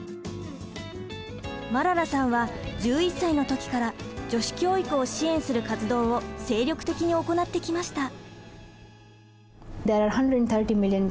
マララさんは１１歳の時から女子教育を支援する活動を精力的に行ってきました。